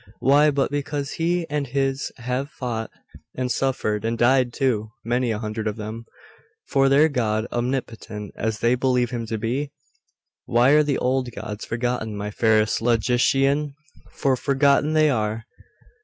Why but because he and his have fought, and suffered, and died too, many a hundred of them, for their god, omnipotent as they believe him to be? Why are the old gods forgotten; my fairest logician? for forgotten they are.